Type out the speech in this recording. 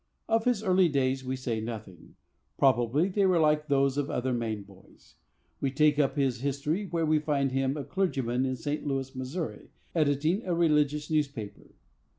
Of his early days we say nothing. Probably they were like those of other Maine boys. We take up his history where we find him a clergyman in St. Louis, Mo., editing a religious newspaper.